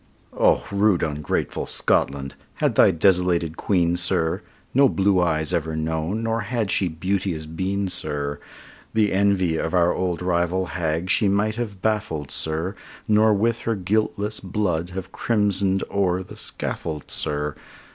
Oh! rude ungrateful Scotland! had thy desolated Queen, sir, No blue eyes ever known, nor had she beauteous been, sir, The envy of our old rival hag she might have baffled, sir, Nor with her guiltless blood have crimson'd o'er the scaffold, sir.